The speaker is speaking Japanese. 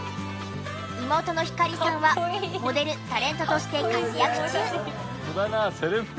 妹の星さんはモデル・タレントとして活躍中。